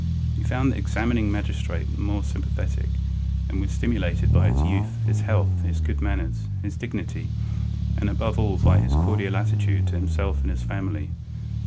He found the examining magistrate sympathetic, and was stimulated by his youth, his health, his good manners, his dignity, and, above all, by his cordial attitude to himself and his family.